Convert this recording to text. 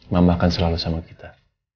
mama akan selalu sama kita